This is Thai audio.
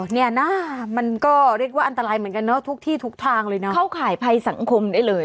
เนี่ยนะมันก็เรียกว่าอันตรายเหมือนกันเนอะทุกที่ทุกทางเลยนะเข้าข่ายภัยสังคมได้เลย